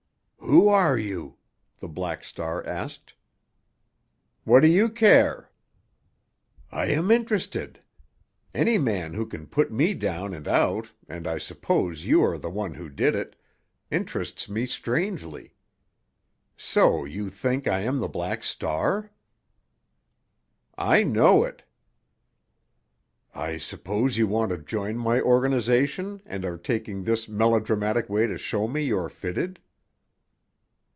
"Who are you?" the Black Star asked. "What do you care?" "I am interested. Any man who can put me down and out—and I suppose you are the one who did it—interests me strangely. So you think I am the Black Star?" "I know it." "I suppose you want to join my organization and are taking this melodramatic way to show me you are fitted?"